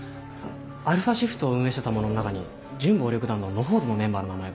アルファシフトを運営してた者の中に準暴力団の野放図のメンバーの名前が。